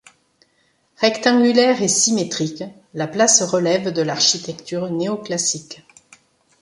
Rectangulaire et symétrique, la place relève de l'architecture néoclassique.